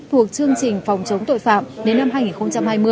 thuộc chương trình phòng chống tội phạm đến năm hai nghìn hai mươi